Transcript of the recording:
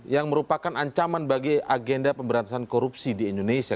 yang merupakan ancaman bagi agenda pemberantasan korupsi di indonesia